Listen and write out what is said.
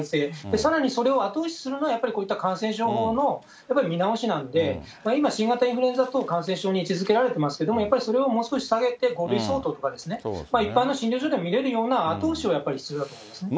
さらにそれを後押しするのはやっぱりこういった感染症法の見直しなんで、今、新型インフルエンザ等感染症に位置づけられていますけれども、やっぱりそれをもう少し下げて、５類相当とかですね、一般の診療所でも診れるような後押しはやっぱり必要だと思いますね。